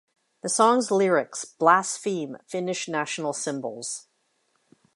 The song's lyrics blaspheme Finnish national symbols.